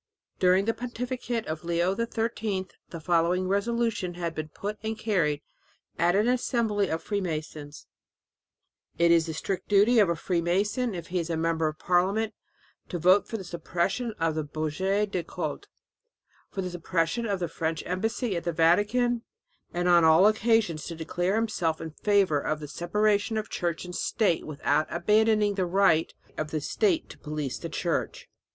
During the pontificate of Leo XIII the following resolution had been put and carried at an assembly of freemasons: "It is the strict duty of a freemason, if he is a member of parliament, to vote for the suppression of the Budget des Cultes, for the suppression of the French embassy at the Vatican, and on all occasions to declare himself in favour of the separation of church and state without abandoning the right of the state to police the church."